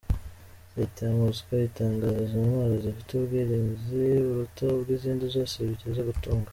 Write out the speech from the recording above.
Leta ya Moscow itangaza izo ntwaro zifite ubwirinzi buruta ubw’ izindi zose bigeze gutunga.